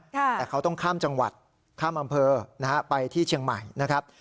แต่เขาต้องข้ามจังหวัดข้ามอำเภอนะฮะไปที่เชียงใหม่นะครับ